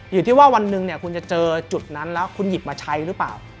อยู่ที่ว่าวันหนึ่งคุณจะเจอจุดนั้นแล้วคุณหยิบมาใช้หรือเปล่า